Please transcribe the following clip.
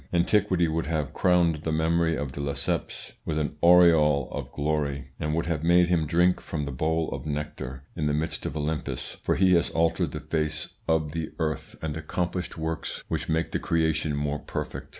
Antiquity would have crowned the memory of de Lesseps with an aureole of glory, and would have made him drink from the bowl of nectar in the midst of Olympus, for he has altered the face of the earth and accomplished works which make the creation more perfect.